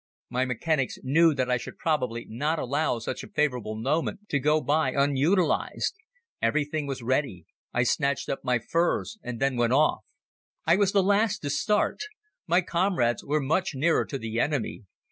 My mechanics knew that I should probably not allow such a favorable moment to go by unutilized. Everything was ready. I snatched up my furs and then went off. I was the last to start. My comrades were much nearer to the enemy.